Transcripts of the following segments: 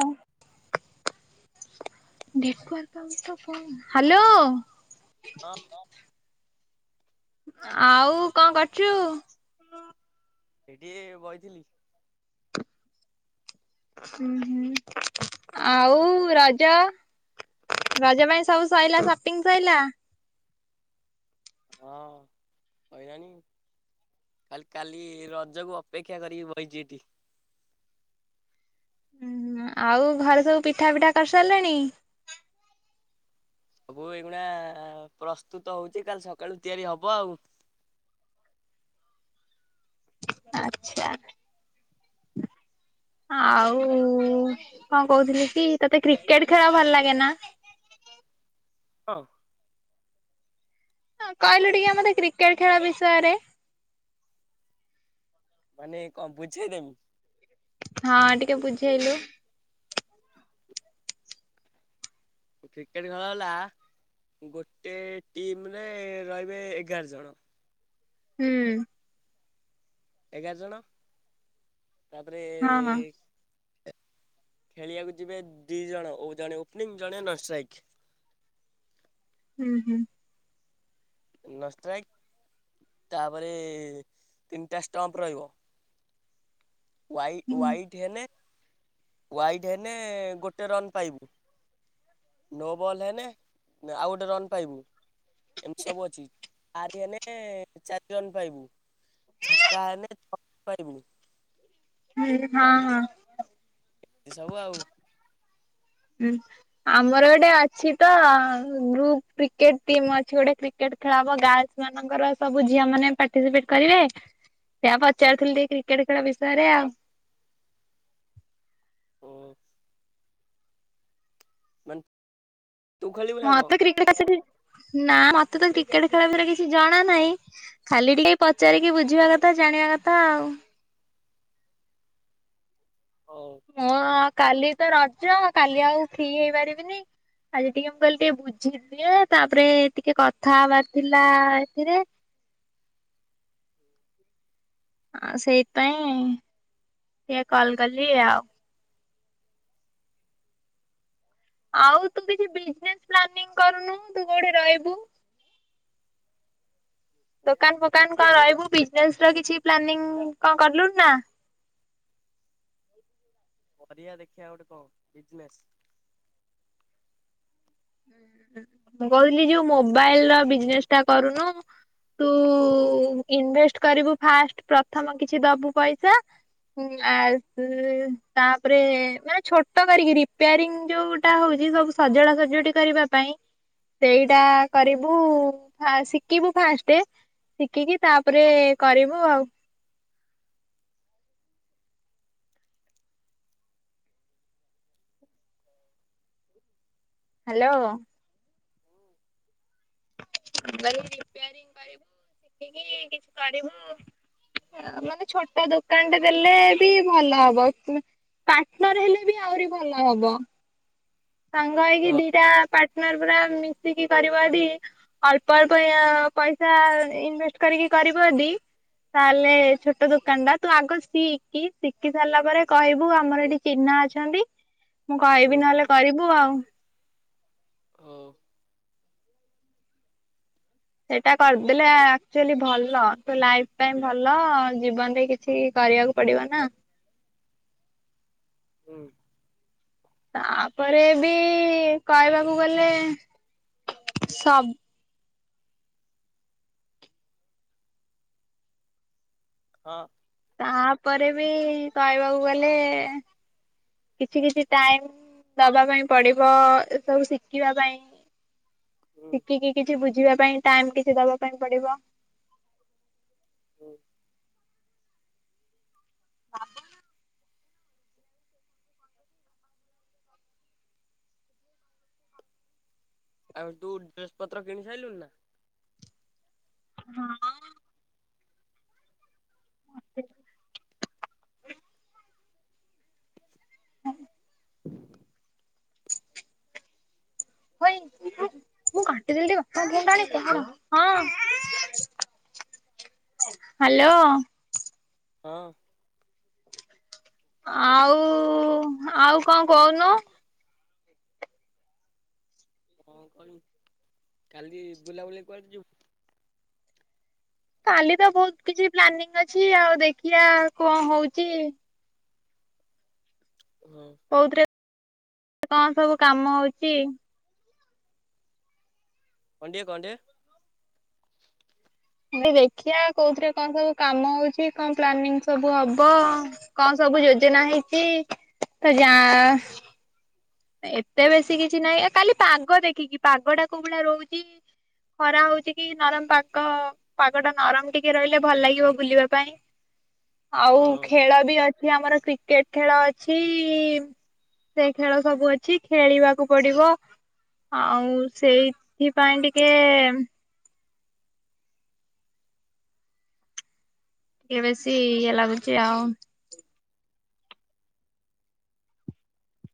ହଁ। ହାଲୋ। ହଁ। ଆଉ କଣ କରୁଛୁ? ଏଠି ବଇଥିଲି। ହୁଁ ହୁଁ ଆଉ ରଜ। ରଜ ପାଇଁ ସବୁ ସଇଲା ସପିଙ୍ଗ ସଇଲା। ହଁ ସଇଲାଣି। କାଲ କାଲି ରଜକୁ ଅପେକ୍ଷା କରିକି ବଇଛି ଏଠି। [unintelligible] ଉୁଁ ଆଉ ଘରେ ସବୁ ପିଠା ପିଠା କରିସାରିଲେଣି। ସବୁ ଏଇଖୁଣା ପ୍ରସ୍ତୁତ ହଉଚି କାଲି ସକାଳୁ ତିଆରି ହବ ଆଉ। ହ [unintelligible] ଆଚ୍ଛା। ଆଉ କଣ କହୁଥିଲି କି ତତେ କ୍ରିକେଟ ଖେଳ ଭଲ ଲାଗେ ନା। ହ [unintelligible] ହଁ। ହଁ କହିଲୁ ଟିକେ ମତେ କ୍ରିକେଟ ଖେଳ ବିଷୟରେ। ମାନେ କଣ ବୁଝେଇ ଦେମି। ହଁ ଟିକେ ବୁଝେଇଲୁ। କ୍ରିକେଟ ଖେଳ ହେଲା। ଗୋଟେ ଟିମ ରେ ରହିବେ ଏଗାର ଜଣ। ହୁଁ। ଏଗାର ଜଣ ତାପରେ। ହଁ ହଁ ଖେଳିବାକୁ ଯିବେ ଦି ଜଣ ଓ ଜଣେ ଓପନିଂ ଜଣେ ନନଷ୍ଟ୍ରାଇକ୍। ହୁଁ ହୁଁ। ନଷ୍ଟ୍ରାଇକ୍। ତାପରେ ତିନିଟା ଷ୍ଟମ୍ପ ରହିବ। ୱାଇ ୱାଇଡ ହେନେ ୱାଇଡ ହେନେ ଗୋଟେ ରନ୍ ପାଇବୁ। ନୋ ବଲ୍ ହେନେ ଆଉ ଗୋଟେ ରନ୍ ପାଇବୁ। ଏମତି ସବୁ ଅଛି ଆରିଏନେ ଚାରି ରନ୍ ପାଇବୁ। ଛକା ହେନେ ଛ ପାଇବୁ। ରେ ହଁ ହଁ। ଏ ସବୁ ଆଉ। ଉଁ ଆମର ଗୋଟେ ଅଛି ତ ଗ୍ରୁପ କ୍ରିକେଟ ଟିମ୍ ଅଛି ଗୋଟେ କ୍ରିକେଟ ଖେଳ ହବ ଗାର୍ଲସ ମାନଙ୍କର ସବୁ ଝିଆ ମାନେ ପାର୍ଟିସିପେଟ କରିବେ। ସେଇଆ ପଚାରୁଥିଲି ଟିକେ କ୍ରିକେଟ ଖେଳ ବିଷୟରେ ଆଉ। ଓ। ମାନ ମତେ କ୍ରିକେଟ ଆସେ କି। ନା ମତେ ତ କ୍ରିକେଟ ଖେଳ ବିଷୟରେ କିଛି ଜଣା ନାହିଁ, ଖାଲି ଟିକେ ପଚାରିକି ବୁଝିବା କଥା। ଜାଣିଆ କଥା ଆଉ। ହଉ। ମୁଁ କାଲି ତ ରଜ କାଲି ଆଉ ଫ୍ରି ହେଇପାରିବିନି। ଆଜି ଟିକେ ମୁଁ କହିଲି ଟିକେ ବୁଝିଦିଏ ତାପରେ ଟିକେ କଥା ହବାର ଥିଲା ଏଥିରେ। ହଁ ସେଇଥ ପାଇଁ ଟିକେ କଲ କଲି ଆଉ। ଆଉ ତୁ କିଛି ବିଜନେସ ପ୍ଲାନିଙ୍ଗ କରୁନୁ ତୁ କୋଉଠି ରହିବୁ? ଦୋକାନ ଫୋକାନ କଣ ରହିବୁ କି? ଏକ୍ସଟ୍ରା କିଛି ପ୍ଲାନିଙ୍ଗ କଁ କରଲୁଣି ନା? କରିଆ ଦେଖିଆ ଗୋଟେ କ ବିଜନେସ୍। ମୁଁ କହୁଥିଲି ଯୋଉ ମୋବାଇଲର ବିଜନେସ ଟା କରୁନୁ। ତୁ ଇନଭେଷ୍ଟ କରିବୁ ଫାଷ୍ଟ ପ୍ରଥମ କିଛି ଦବୁ ପଇସା ଉଁ ଆସ ତାପରେ ମାନେ ଛୋଟ କରିକି ରିପ୍ୟାରିଙ୍ଗ ଯୋଉଟା ହଉ ସବୁ ସଜଡା ସଜଡି କରିବା ପାଇଁ ସେଇଟା ହୁଁ କରିବୁ ଶିକିବୁ ଫାଷ୍ଟେ। ଶିଖିକି ହଉ ତାପରେ କରିବୁ ଆଉ। ହ୍ୟାଲୋ। [unintelligible] ରିପ୍ୟାରିଂ କରିବୁ ଶିଖିକି କିଛି କରିବୁ ମାନେ ଛୋଟ ଦୋକାନଟେ ଦେଲେ ବି ଭଲ ହବ। ପାର୍ଟନର ହେଲେ ବି ଆହୁରି ଭଲ ହବ। ସାଙ୍ଗ ହେଇକି ଦିଟା ପାର୍ଟନର ପୁରା ମିଶିକି କରିବ ଦି ଅଳ୍ପ ଅଳ୍ପ ୟ ପଇସା ଇନଭେଷ୍ଟ କରିକି କରିବ ଯଦି ତାହେଲେ ଛୋଟ ଦୋକାନଟା ତୁ ଆଗ ଶିଖି, ଶିଖି ସାରିଲା ପରେ କହିବୁ ଆମର ଏଠି ଚିହ୍ନା ଅଛନ୍ତି। ମୁଁ କହିବି ହୁଁ ନହେଲେ ଙ୍କୁ ଆଉ। ଓ। ସେଇଟା କରିଦେଲେ ଆକଚୁଆଲି ଭଲ ତୁ ଲାଇଫ ଟାଇମ ପାଇଁ ଭଲ ଜୀବନରେ କିଛି କରିବାକୁ ପଡିବ ନା। ହୁଁ। ତାପରେ ବି କହିବାକୁ ଗଲେ ସବ ହଁ। ତାପରେ ବି କହିବାକୁ ଗଲେ କିଛି କିଛି ଟାଇମ ଦବା ପାଇଁ ପଡିବ, ଏ ସବୁ ଶିଖିବା ପାଇଁ। ଶିଖିକି କିଛି ବୁଝିବା ପାଇଁ। ଟାଇମ କିଛି ଦବା ପାଇଁ ପଡିବ। ହୁ। ଆଉ ତୁ ଡ୍ରେସ ପତ୍ର କିଣି ସାରିଲୁଣି ନା? ହଁ ଅଁ। [unintelligible] ହଇ। ମୁଁ କାଟି ଦେଲି ଟିକେ କଥା ହେଲାଣି କର ହଁ ଅଁ ହ୍ୟାଲୋ। ହଁ। ଆଉ ଆଉ କଣ କହୁନୁ? କଣ କହିବି କାଲି ବୁଲାବୁଲି କୁଆଡେ ଯିବୁ। କାଲି ତ ବହୁତ କିଛି ପ୍ଲାନିଂ ଅଛି ଆଉ ଦେଖିବା କଣ ହଉଚି। ହଁ କୋଉଥିରେ କଣ ସବୁ କାମ ହଉଚି। କଁଟିଏ କଣ୍ଟେ। େ ଦେଖିବା କୋଉଥିରେ କଣ ସବୁ କାମ ହଉଛି କଣ ପ୍ଲାନିଂ ସବୁ ହବ କଣ ସବୁ। ଯୋଜନା ହେଇଛି ତ ଯା ଏତେ ବେଶୀ କିଛି ନାହିଁ କାଲି ପାଗ ଦେଖିକି ପାଗଟା କୋଉ ଭଳିଆ ରହୁଛି। ଖରା ହଉଚି କି ନରମ ପାଗ ପାଗଟା ନରମ ଟିକେ ରହିଲେ ଭଲ ଲାଗିବ ବୁଲିବା ପାଇଁ। [inaudible] ଆଉ ହଁ ଖେଳବି ଅଛି ଆମର କ୍ରିକେଟ ଖେଳ ଅଛି ସେ ଖେଳ ସବୁ ଅଛି ଖେଳିବାକୁ ପଡିବ। ଆଉ ସେଇଥିପାଇଁ ଟିକେ ଏ ଟିକେ ବେଶି ଇଏ ଲାଗୁଛି ଆଉ।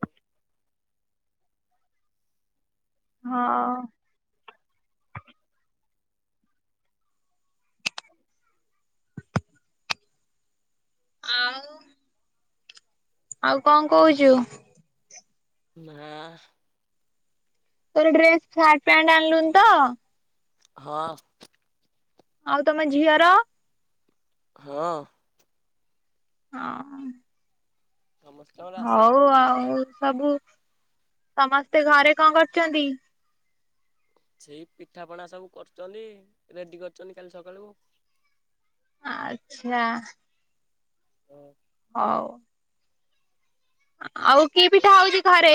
ହ [inaudible] ହଁଅଁ ଆଉ। ଆଉ କଣ କହୁଚୁ? ମା ଆ ତୋର ଡ୍ରେସ ସାର୍ଟ ପ୍ୟାଣ୍ଟ ଆଣିଲୁନି ତ? ହଁ। ଆଉ ତମ ଝିଅର? ହଁ। ହଁ। ସମସ୍ତଙ୍କର ଆଶୀର୍ବାଦ। ହଉ ଆଉ ସବୁ ସମସ୍ତେ ଘରେ କଣ କରୁଛନ୍ତି? ସେଇ ପିଠାପଣା ସବୁ କରୁଛନ୍ତି ରେଡି କରିଛନ୍ତି କାଲି ସକାଳକୁ। ଆଚ୍ଛା। ହ [inaudible] ହଉ। ଆଉ କି ପିଠା ହଉଛି ଘରେ?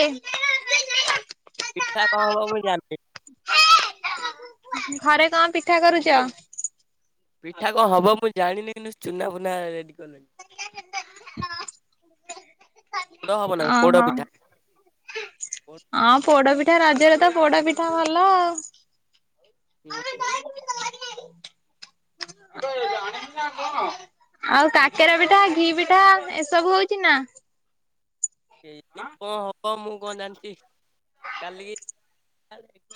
ପିଠା କଣ ହବ ମୁଁ ଜାଣିନି। ଘରେ କଣ ପିଠା କରୁଚ? ପିଠା କଣ ହବ ମୁଁ ଜାଣିନି କିନ୍ତୁ ଚୁନାଫୁନା ରେଡି କଲେଣି। ହଁ [inaudible] ପୋଡ ହବ ନା ପୋଡ ଓହୋ ପିଠା। ହଁ ପୋଡପିଠା ରଜରେ ତ ପୋଡପିଠା ଭଲ ଆଉ। ହୁଁ। ବ [inaudible] ଆଉ କାକେରା ପିଠା ଘି ପିଠା ଏସବୁ ହଉଛି ନା? କେଜାଣି କଣ ହବ ମୁଁ କଣ ଜାଣିଛି କାଲିକି ଆ [inaudible]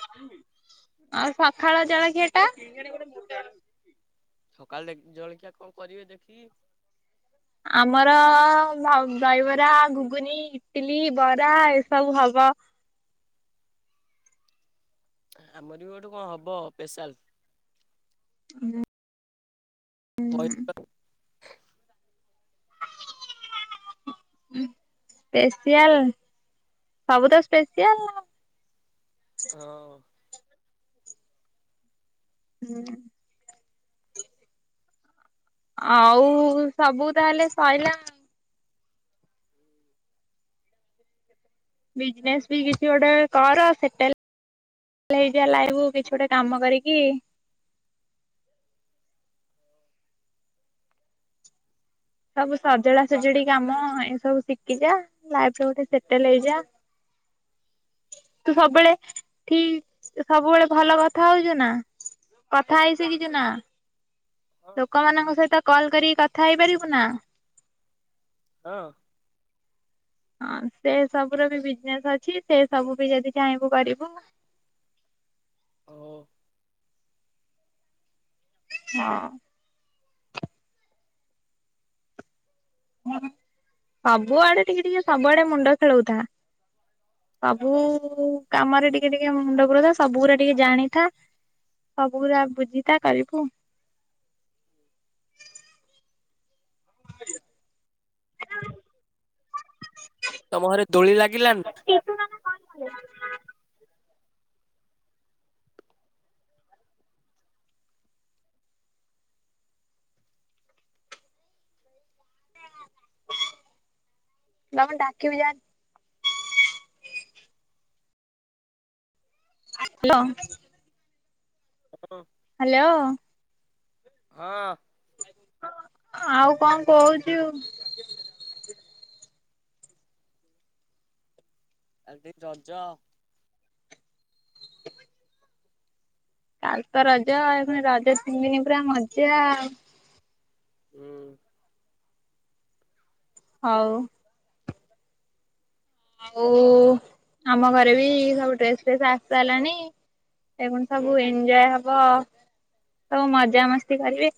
ଆଉ ସକାଳ ଜଳଖିଆଟା। ସକାଳେ ଦେଖିକି ଜଳିଖିଆ କଣ କରିବେ ଦେଖିକି। ଆମର ଅ ଦହିବରା ଘୁଗୁନି ଇଟିଲି ବରା ଏସବୁ ହଉ ଵ ଅ ଆମର ବି ଗୋଟେ କଣ ହବ ସ୍ପେଶାଲ। କହି [inaudible] ସ୍ପେସିଆଲ। ସବୁ ତ ସ୍ପେଶିଆଲ। ହଁ। ହୁଁ। ଆଉ ସବୁ ତାହେଲେ ସଇଲା ଆଉ। ବିଜନେସ୍ ବି କିଛି ଗୋଟେ କର। ସେଟେଲ ହେଇଯା। ଲାଇବୁ କିଛି ଗୋଟେ କାମ କରିକି। ସବୁ ସଜଡାସଜୁଡି କାମ ଏ ସବୁ ଶିଖିଯା ଲାଇଫରେ ଗୋଟେ ସେଟଲ୍ ହେଇଯା। [inaudible] ତୁ ସବୁବେଳେ ଠିକ୍, ସବୁବେଳେ ଭଲ କଥା ହଉଛୁ ନା? କଥା ହେଇଶିଖିଛୁ ନା? ଲୋକମାନଙ୍କ ସହିତ କଲ କରିକି କଥା ହେଇପାରିବୁ ନା? ହଁ। ହଁ ସେ ସବୁର ବି ବିଜନେସ୍ ଅଛି। ସେସବୁ ବି ଯଦି ଚାହିଁବୁ କରିବୁ। [inaudible] ଅଓ, ହଁ। ହୁଁ, ସବୁଆଡେ ଟିକେଟିକେ ସବୁଆଡେ ମୁଣ୍ଡ ଖେଳଉଥା। ସବୁ କାମରେ ଟିକେଟିକେ ମୁଣ୍ଡ ପୁରଉଥା ସବୁଗୁରା ଟିକେ ଜାଣିଥା ସବୁଗୁରା ବୁଝିଥା କାଲ୍ କୁ ତମ ଘରେ ଦୋଳି ଲାଗିଲାନ୍? ବାବା ଡାକିବୁ ଯାଆନି। ଲୋ! ହଁ। ହେଲୋଓଁ! ହଁ। ଆଉ କଣ କହୁଚୁ? ଆ ଦେଇ ରଜ କାଲିତ ରଜ ଆଉ, ଫୁଣି ରଜ ତିନଦିନ ପୁରା ମଜା ଆଉ। ହୁଁ। ହଉ। ଆଉ ଆମ ଘରେ ବି ସବୁ ଡ୍ରେସ ଫ୍ରେସ୍ ଆସ୍ ସାଇଲାଣି। ଏ ଫୁଣି ସବୁ ଏନ୍ଜୟ ହବ। ହଉ ମଜା ମସ୍ତି କରିବେ।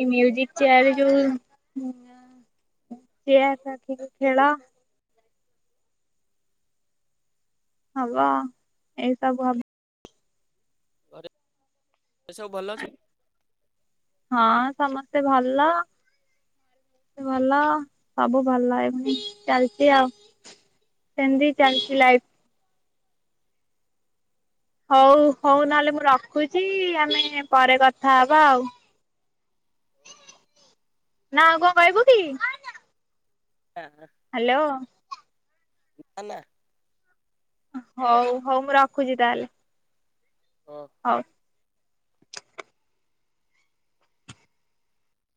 ଏ ମ୍ୟୁଜିକ ଚେୟାରେ ଯୋଉ ଉଁ ଅ ଚେୟାର ସାଥି ରେ ଖେଳ। ହବ, ଏଇସବୁ ହବ। ଏସବୁ ଭଲ ଅଛୁ। ହଁ ସମସ୍ତେ ଭଲ। ଭଲ, ସବୁ ଭଲ। ଏମିତି ଚାଲିଛି ଆଉ। ସେମତି ଚାଲଛି ଲାଇଫ୍। ହଉ, ହଉ ନହେଲେ ମୁଁ ରଖୁଛି। ଆମେ ପରେ କଥା ହବା ଆଉ। ନା ଆଉ କଣ କହିବୁ କି? ହ୍ୟାଲୋ! କି ପାଲା ହଉ, ହଉ ମୁଁ ରଖୁଛି। ତାହେଲେ। ହଁ। ହଉ।